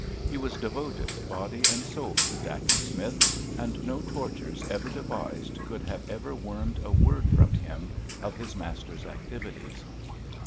He was devoted body and soul to Dacent Smith, and no tortures ever devised could have ever wormed a word from him of his master's activities.